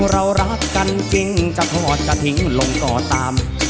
เรารักกันจริงจะทอดกระถิ่นลงก่อตาม